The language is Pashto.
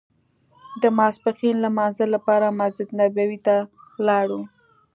د ماسپښین لمانځه لپاره مسجد نبوي ته لاړو.